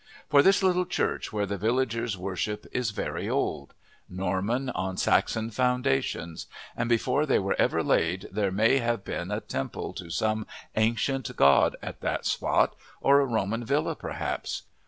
For this little church where the villagers worship is very old; Norman on Saxon foundations; and before they were ever laid there may have been a temple to some ancient god at that spot, or a Roman villa perhaps.